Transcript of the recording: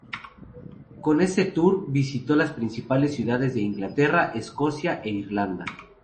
Con este tour visitó las principales ciudades de Inglaterra, Escocia e Irlanda.